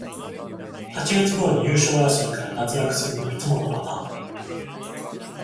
八月ごろに優勝争いから脱落するのがいつものパターン